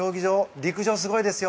陸上すごいですよ。